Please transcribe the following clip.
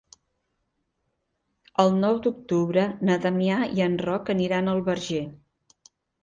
El nou d'octubre na Damià i en Roc aniran al Verger.